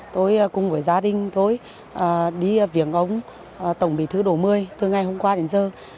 tôi cùng với gia đình tôi đi viếng ông tổng bỉ thứ đổ mươi từ ngày hôm qua đến giờ